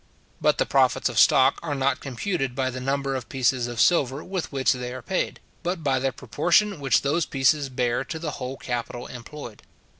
But the profits of stock are not computed by the number of pieces of silver with which they are paid, but by the proportion which those pieces bear to the whole capital employed.